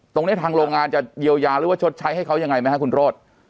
ตรงนี้ทางโรงงานจะเยียวยาหรือว่าชดใช้ให้เขายังไงไหมครับคุณโรธ